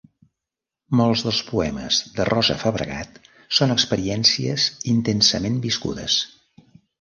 Molts dels poemes de Rosa Fabregat són experiències intensament viscudes.